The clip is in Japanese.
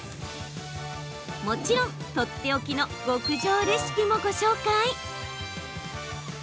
もちろん、とっておきの極上レシピもご紹介。